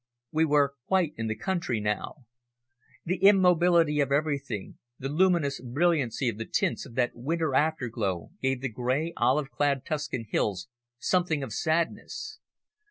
We were quite in the country now. The immobility of everything, the luminous brilliancy of the tints of that winter afterglow gave the grey, olive clad Tuscan hills something of sadness.